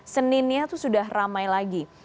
seninnya itu sudah ramai lagi